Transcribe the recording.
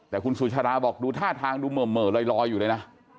แต่คุณสุชาดาบอกดูท่าทางดูเหม่อลอยอยู่เลยนะ